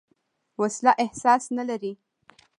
وسله احساس نه لري